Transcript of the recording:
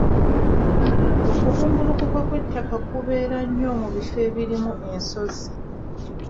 Okubumbulukuka kw'ettaka kubeera nnyo mu bifo ebirimu ensozi.